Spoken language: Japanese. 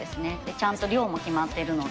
ちゃんと量も決まっているので。